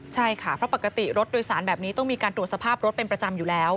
ใช่ค่ะเพราะปกติรถโดยสารแบบนี้ต้องมีการตรวจสภาพรถเป็นประจำอยู่แล้ว